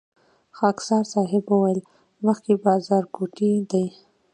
خاکسار صیب وويل مخکې بازارګوټی دی.